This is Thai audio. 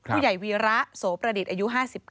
ผู้ใหญ่วีระโสประดิษฐ์อายุ๕๙